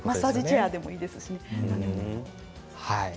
マッサージチェアでもいいですよ。